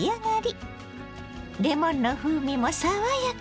レモンの風味も爽やか。